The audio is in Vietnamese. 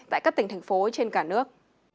tại các tỉnh thành phố trên cả nước